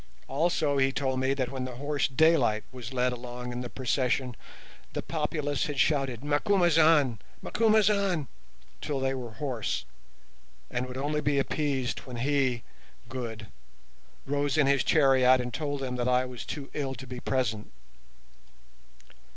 Also he told me that when the horse Daylight was led along in the procession, the populace had shouted "Macumazahn, Macumazahn!" till they were hoarse, and would only be appeased when he, Good, rose in his chariot and told them that I was too ill to be present.